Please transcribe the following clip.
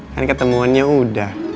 kan ketemuannya udah